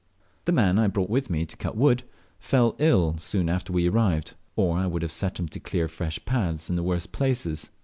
The man I brought with me to cut wood fell ill soon after we arrived, or I would have set him to clear fresh paths in the worst places.